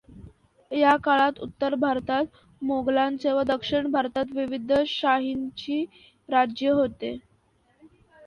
या काळात उत्तर भारतात मोगलांचे व दक्षिण भारतात विविध शाहींची राज्ये होती.